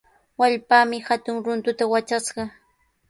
Wallpaami hatun runtuta watrashqa.